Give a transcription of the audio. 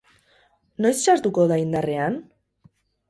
Noiz sartuko da indarrean?